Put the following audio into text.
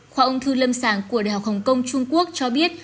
khoa ung thư lâm sàng của đh hong kong trung quốc cho biết